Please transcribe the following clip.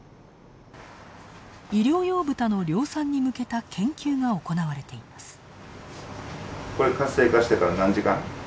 医療用ブタの量産に向けた研究が行われています。